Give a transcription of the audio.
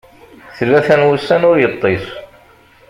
Tlata n wussan ur yeṭṭis.